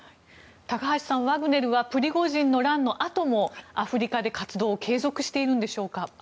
高橋さん、ワグネルはプリゴジンの乱のあともアフリカで活動を継続しているんでしょうか。